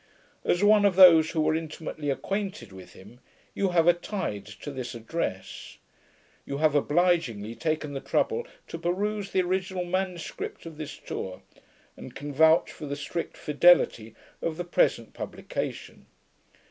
As one of those who were intimately acquainted with him, you have a tide to this address. You have obligingly taken the trouble to peruse the original manuscript of this tour, and can vouch for the strict fidelity of the present publication.